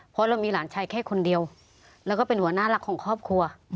เพราะเรามีหลานชายแค่คนเดียวแล้วก็เป็นหัวหน้ารักของครอบครัว